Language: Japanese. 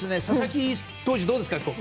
佐々木投手、どうですか？